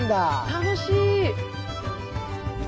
楽しい！